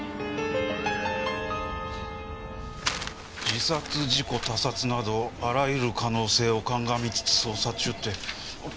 「自殺事故他殺などあらゆる可能性を鑑みつつ捜査中」ってこれだけですか？